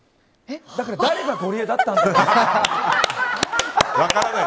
だから誰がゴリエだったんだろうって。